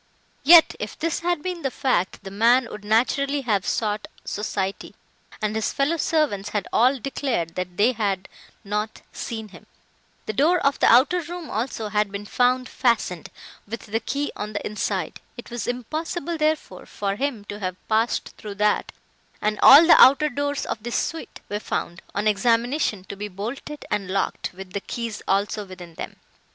Yet, if this had been the fact, the man would naturally have sought society, and his fellow servants had all declared they had not seen him; the door of the outer room also had been found fastened, with the key on the inside; it was impossible, therefore, for him to have passed through that, and all the outer doors of this suite were found, on examination, to be bolted and locked, with the keys also within them.